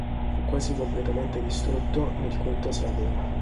Fu quasi completamente distrutto nel V sec.